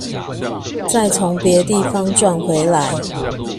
再從別地方賺回來